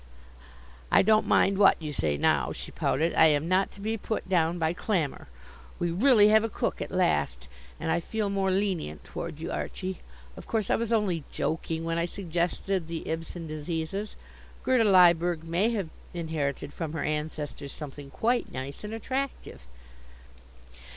"I don't mind what you say now," she pouted, "I am not to be put down by clamor. We really have a cook at last, and I feel more lenient toward you, Archie. Of course I was only joking when I suggested the Ibsen diseases. Gerda Lyberg may have inherited from her ancestors something quite nice and attractive."